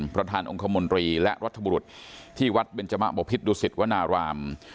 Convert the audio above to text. ประธานองค์คมนตรีและรัฐบุรุษที่วัดเบนจมะบพิษดุสิตวนาราม